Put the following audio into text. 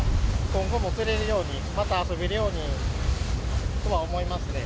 今後も釣れるように、また遊べるようにとは思いますね。